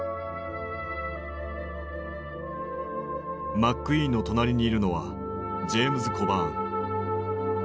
マックイーンの隣にいるのはジェームズ・コバーン。